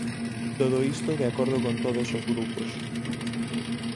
Todo isto, "de acordo con todos os grupos".